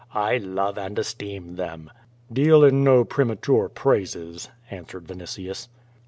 I love and esteem them." "Deal in no premature praises," answered Vinitius.